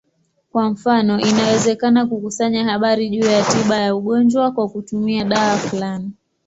Kwa mfano, inawezekana kukusanya habari juu ya tiba ya ugonjwa kwa kutumia dawa fulani.